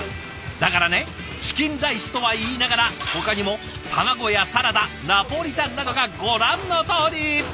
だからねチキンライスとは言いながらほかにも卵やサラダナポリタンなどがご覧のとおり！